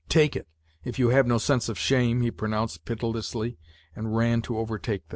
" Take it, if you have no sense of shame !" he pronounced pitil >?ly, and ran to overtake them.